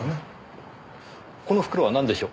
この袋はなんでしょう？